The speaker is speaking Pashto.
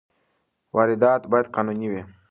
واردات باید قانوني وي.